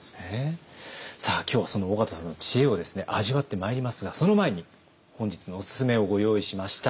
さあ今日はその緒方さんの知恵を味わってまいりますがその前に本日のおすすめをご用意しました。